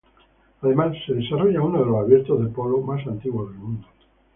Además, se desarrolla uno de los abiertos de polo más antiguo del mundo.